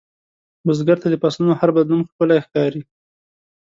بزګر ته د فصلونـو هر بدلون ښکلی ښکاري